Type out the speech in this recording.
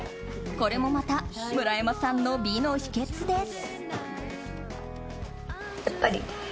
これもまた村山さんの美の秘訣です。